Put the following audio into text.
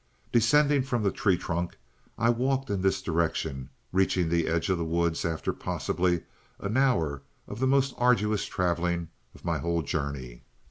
"Descending from the tree trunk I walked in this direction, reaching the edge of the woods after possibly an hour of the most arduous traveling of my whole journey.